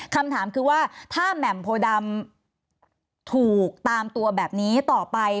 คำถามคือว่าถ้าแหม่มโพดำถูกตามตัวแบบนี้ต่อไป